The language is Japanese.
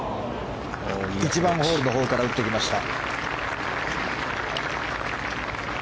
１番ホールのほうから打ってきました。